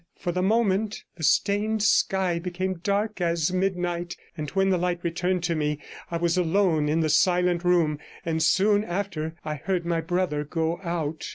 For the moment the stained sky became dark as midnight, and when the light returned to me I was alone in the silent room, and soon after I heard my brother go out.